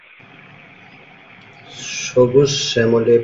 তিনি উমাইয়া খিলাফতের বিরুদ্ধে একটি বিদ্রোহ পরিচালনা করেন।